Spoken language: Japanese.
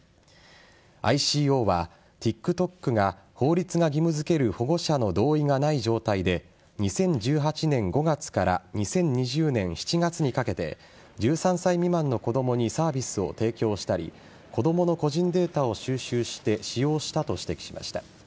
ＩＣＯはＴｉｋＴｏｋが法律が義務付ける保護者の同意がない状態で２０１８年５月から２０２０年７月にかけて１３歳未満の子供にサービスを提供したり子供の個人データを収集して使用したと指摘しました。